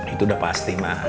itu udah pasti ma